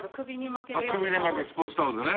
首に巻けるスポーツタオルね。